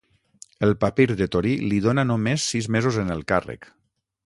El papir de Torí li dóna només sis mesos en el càrrec.